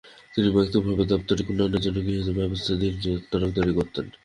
তিনি ব্যক্তিগতভাবে দাপ্তরিক উন্নয়নের জন্য গৃহীত ব্যবস্থাদির তদারকি করতেন।